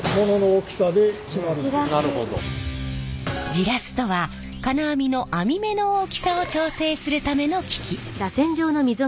ジラスとは金網の編み目の大きさを調整するための機器。